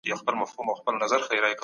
په ناحقه مال مه خوري.